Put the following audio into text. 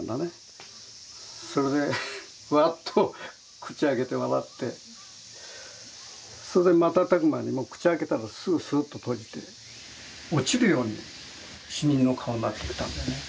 それでワッと口を開けて笑ってそれで瞬く間にもう口開けたらすぐスッと閉じて落ちるように死人の顔になってったんだよね。